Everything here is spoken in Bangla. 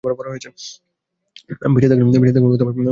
বেঁচে থাকলেও ও আর আগের মতো হবে না!